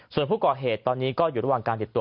ส่วนผู้ก่อเหตุตอนนี้ก็อยู่ระหว่างการติดตัว